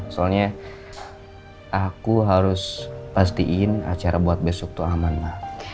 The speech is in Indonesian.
soalnya aku harus pastiin acara buat besok tuh aman lah